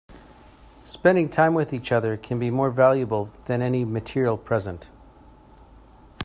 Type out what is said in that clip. Spending time with each other can be more valuable than any material present.